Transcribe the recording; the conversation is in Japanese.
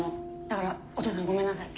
だからお父さんごめんなさい。